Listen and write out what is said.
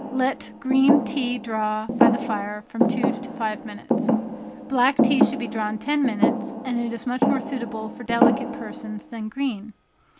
Let green tea draw by the fire from two to five minutes. Black tea should draw ten minutes, and is much more suitable for delicate persons than green.